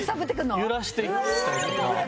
揺らしてきたりとか。